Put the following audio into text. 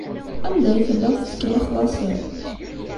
Anda ay telliḍ tettkellixeḍ-asen?